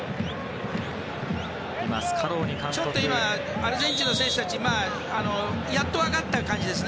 アルゼンチンの選手たちやっと分かった感じですね。